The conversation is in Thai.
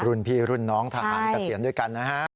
รุ่นพี่รุ่นน้องทหารเกษียณด้วยกันนะฮะ